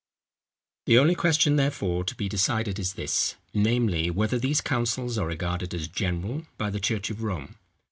The only question, therefore, to be decided is this, namely, whether these councils are regarded as general by the church of Rome.